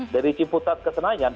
dari ciputat ke senayan